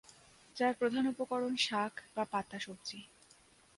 যার প্রধান উপকরণ শাক বা পাতা সবজি।